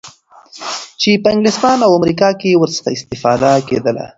چی په انګلستان او امریکا کی ورڅخه اسفتاده کیدل